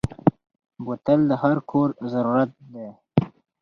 بوتل د هر کور ضرورت دی.